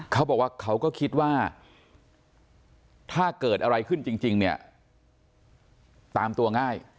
เขาก็คิดว่าถ้าเกิดอะไรขึ้นจริงเนี่ยตามตัวง่าย